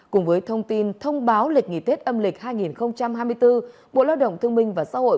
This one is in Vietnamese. cùng với thông tin thông báo lịch nghỉ tết âm lịch hai nghìn hai mươi bốn bộ lao động thương minh và xã hội